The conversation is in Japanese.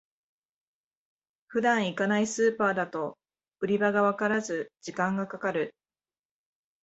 普段行かないスーパーだと売り場がわからず時間がかかる